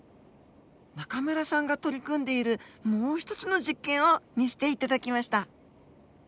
中村さんが取り組んでいるもう一つの実験を見せて頂きました。